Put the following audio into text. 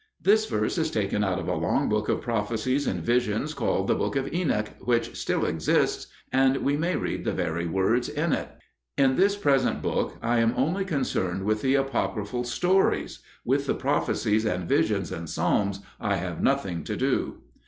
This verse is taken out of a long book of prophecies and visions called The Book of Enoch, which still exists, and we may read the very words in it. In this present book, I am only concerned with the apocryphal stories; with the prophecies and visions and psalms I have nothing to do.